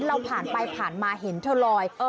เราผ่านไปผ่านมาเห็นเธอลอย